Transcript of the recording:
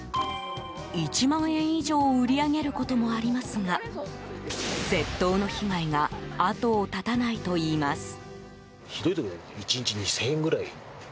１万円以上を売り上げることもありますが窃盗の被害が後を絶たないといいます。